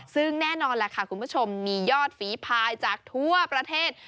ซึ่งแน่นอนแหละค่ะคุณผู้ชมมียอดฝีพายจากทั่วประเทศ